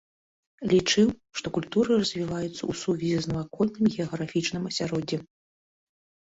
Лічыў, што культуры развіваюцца ў сувязі з навакольным геаграфічным асяроддзем.